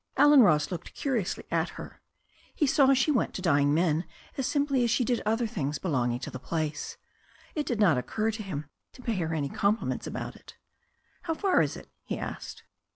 Allen Ross looked curiously at her. He saw she went to dying men as simply as she did other things belonging to the place. It did not occur to him to pay her any com pliments about it. "How far is it?" he asked.